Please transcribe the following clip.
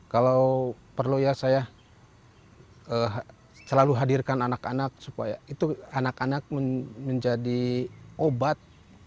kalau perlu ya saya selalu hadirkan anak anak supaya itu anak anak menjadi obat